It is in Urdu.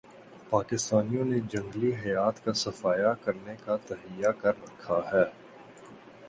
پاکستانیوں نے جنگلی حیات کا صفایا کرنے کا تہیہ کر رکھا ہے